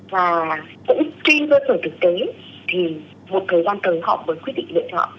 và cũng kinh doanh về thực tế thì một thời gian tới họ mới quyết định lựa chọn